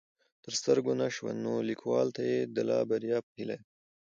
تر سترګو نه شوه نو ليکوال ته يې د لا بريا په هيله يم